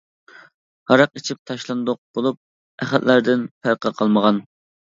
ھاراق ئىچىپ تاشلاندۇق بولۇپ، ئەخلەتلەردىن پەرقى قالمىغان.